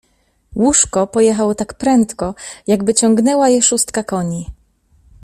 "Łóżko pojechało tak prędko, jakby ciągnęła je szóstka koni."